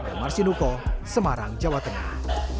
damar sinuko semarang jawa tengah